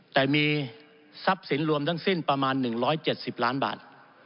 แต่มีทรัพย์สินรวมทั้งสิ้นประมาณหนึ่งร้อยเจ็ดสิบล้านบาท